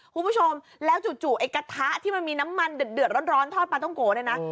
คุณผู้ชมแล้วจู่ไอ้กระทะที่มันมีน้ำมันเดือดร้อนทอดปลาต้องโกะเนี่ยนะ